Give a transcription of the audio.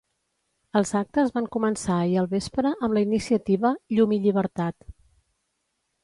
Els actes van començar ahir al vespre amb la iniciativa ‘Llum i llibertat’.